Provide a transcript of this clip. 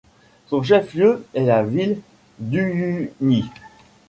Son chef-lieu est la ville d'Uyuni.